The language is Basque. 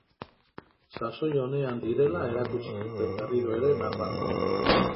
Sasoi onean direla erakutsi zuten berriro ere nafarrek.